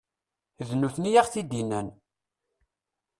D nutni i aɣ-t-id-innan.